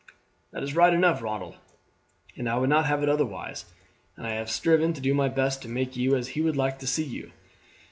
"That is right enough, Ronald, and I would not have it otherwise, and I have striven to do my best to make you as he would like to see you.